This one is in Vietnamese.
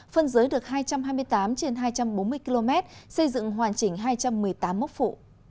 phân giới được hai trăm hai mươi tám trên hai trăm bốn mươi km xây dựng hoàn chỉnh hai trăm một mươi tám mốc phụ